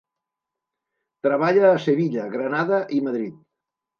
Treballa a Sevilla, Granada i Madrid.